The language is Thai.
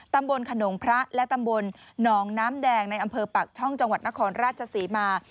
ตำบลขนงพระและตำบลหนองน้ำแดงในอำเภอปากช่องจังหวัดนครราชศรีมา